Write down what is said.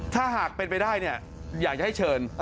ถ้าหากเป็นไปได้เนี่ยอยากจะให้เชิญ